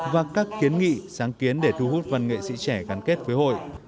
và các kiến nghị sáng kiến để thu hút văn nghệ sĩ trẻ gắn kết với hội